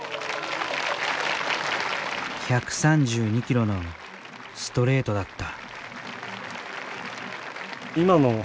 １３２キロのストレートだった。